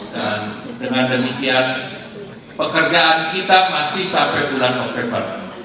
dan dengan demikian pekerjaan kita masih sampai bulan oktober